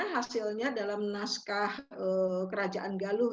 hasilnya dalam naskah kerajaan galuh